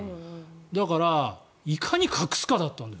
だからいかに隠すかだったの。